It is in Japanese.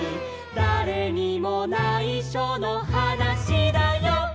「だれにもないしょのはなしだよ」